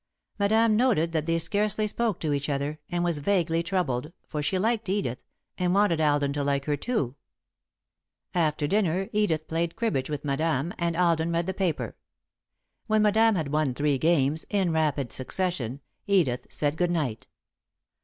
Madame noted that they scarcely spoke to each other, and was vaguely troubled, for she liked Edith, and wanted Alden to like her too. After dinner, Edith played cribbage with Madame and Alden read the paper. When Madame had won three games, in rapid succession, Edith said good night.